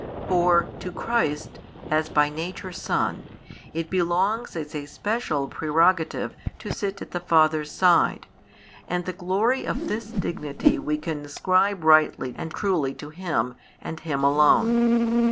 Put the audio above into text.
For to Christ, as by nature Son, it belongs as a special prerogative to sit at the Father's side, and the glory of this dignity we can ascribe rightly and truly to Him, and Him alone.